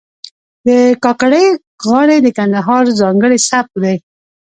د کاکړۍ غاړې د کندهار ځانګړی سبک دی.